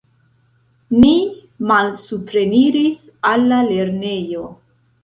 Ni malsupreniris al la lernejo.